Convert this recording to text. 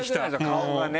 「顔がね」